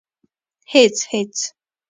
_هېڅ ، هېڅ.